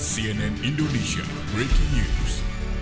sienan indonesia breaking news